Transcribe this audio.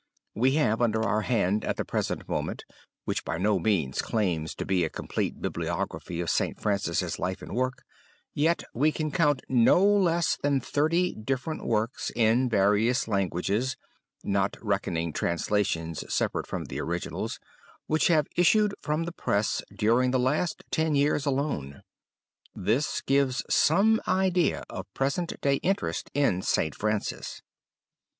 We have under our hand at the present moment what by no means claims to be a complete bibliography of St. Francis' life and work, yet we can count no less than thirty different works in various languages (not reckoning translations separate from the originals) which have issued from the press during the last ten years alone. This gives some idea of present day interest in St. Francis.